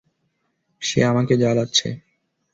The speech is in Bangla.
সে আমাকে জ্বলাচ্ছে।